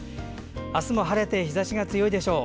明日も晴れて日ざしが強いでしょう。